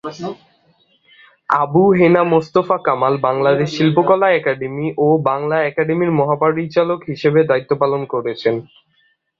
Abu Hena Mostafa Kamal Bangladesh Shilpakala academy ও বাংলা একাডেমীর মহাপরিচালক হিসেবে দায়িত্ব পালন করেছেন।